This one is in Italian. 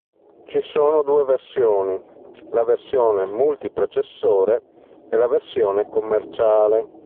Ci sono due versioni: la versione multiprocessore, e la versione commerciale.